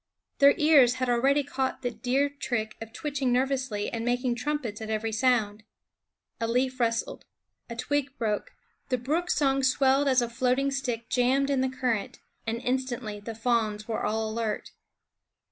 Their ears had already caught the deer trick of twitching nervously and making trumpets at every sound. A leaf rustled, a twig broke, the brook's song swelled as a floating stick jammed in the current, and instantly the fawns were all alert.